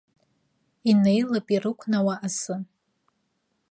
Инеилап ирықәнауа асы.